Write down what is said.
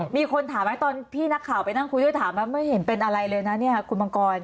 มีคนถามไหมตอนพี่นักข่าวไปนั่งคุยด้วยถามว่าไม่เห็นเป็นอะไรเลยนะเนี่ยคุณมังกร